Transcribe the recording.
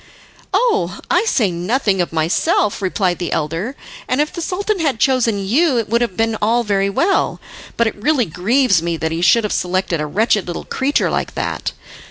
"Oh, I say nothing of myself," replied the elder, "and if the Sultan had chosen you it would have been all very well; but it really grieves me that he should have selected a wretched little creature like that.